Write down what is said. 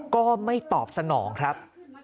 ก็ไม่ตอบสนองครับ